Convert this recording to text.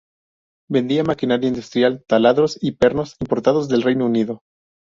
Vendía maquinaria industrial, taladros y pernos, importados del Reino Unido.